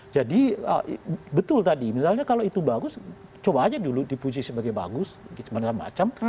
betul tadi misalnya kalau itu bagus coba aja dulu dipuji sebagai bagus macam macam